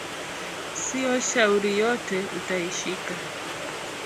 Sio shauri yote uta ishika